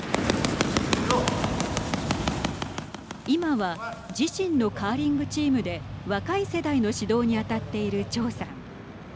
今は自身のカーリングチームで若い世代の指導にあたっている張さん。